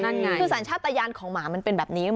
นั่นไงคือสัญชาติยานของหมามันเป็นแบบนี้